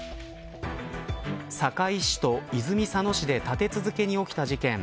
堺市と泉佐野市で立て続けに起きた事件。